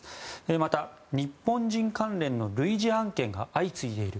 また、日本人関連の類似案件が相次いでいる。